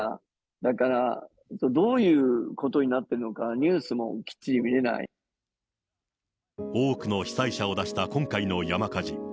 だからどういうことになってるの多くの被災者を出した今回の山火事。